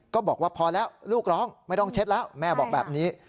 ก็บอกว่าพอแล้วลูกร้องไม่ต้องเช็ดแล้วแม่บอกแบบนี้